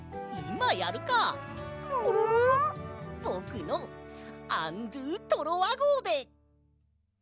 ぼくのアン・ドゥ・トロワごうで！